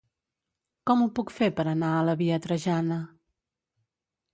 Com ho puc fer per anar a la via Trajana?